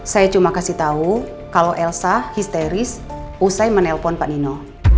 saya cuma kasih tahu kalau elsa histeris usai menelpon pak nino